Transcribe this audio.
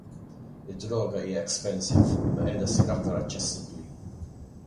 Id-droga hija expensive, imma qiegħda ssir aktar aċċessibbli.